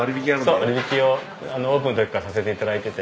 そう割引をオープンの時からさせて頂いてて。